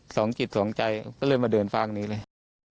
สองจิตสองใจก็เลยมาเดินฟากนี้เลย